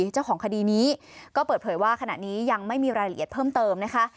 เจ้าของคดีนี้ก็เปิดเผยว่าขณะนี้ยังไม่มีรายละเอียดเพิ่มเติมนะคะ